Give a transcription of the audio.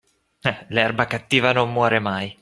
L'erba cattiva non muore mai.